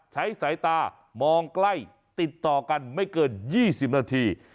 สายตามองใกล้ติดต่อกันไม่เกิน๒๐นาที